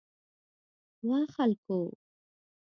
وا خلکو!